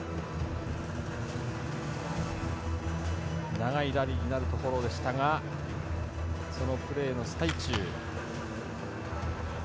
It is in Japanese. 長いラリーになるところでしたがそのプレーの最中。